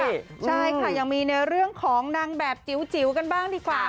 ใช่ค่ะยังมีในเรื่องของนางแบบจิ๋วกันบ้างดีกว่า